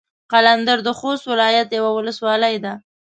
قلندر د خوست ولايت يوه ولسوالي ده.